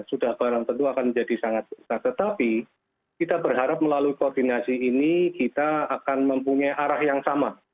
sudah barang tentu akan menjadi sangat besar tetapi kita berharap melalui koordinasi ini kita akan mempunyai arah yang sama